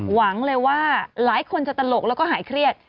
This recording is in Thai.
หวังเลยว่าหลายคนจะตลกแล้วก็หายเครียด